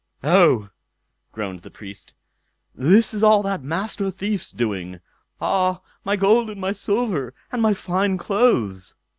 "Oh!" groaned the Priest, "this is all that Master Thief's doing. Ah! my gold and my silver, and my fine clothes."